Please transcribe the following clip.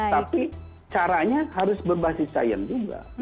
tapi caranya harus berbasis sains juga